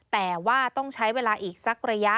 แต่ว่าต้องใช้เวลาอีกสักระยะ